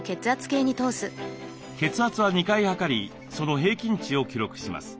血圧は２回測りその平均値を記録します。